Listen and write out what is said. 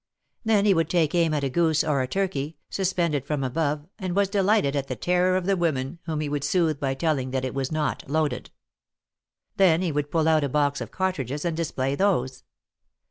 Then he would take aim at a goose or a turkey, suspended from above, and was delighted at the terror of the women, whom he would soothe by telling that it was not loaded. Then he would pull out a box of cartridges and display those.